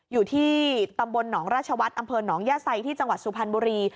อยู่ที่ตำบลหนองราชวัฒน์อำเภอหนองย่าไซที่จังหวัดสุพรรณบุรี